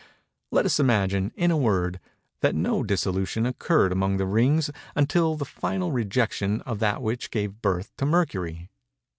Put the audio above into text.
Let us imagine, in a word, that no dissolution occurred among the rings until the final rejection of that which gave birth to Mercury.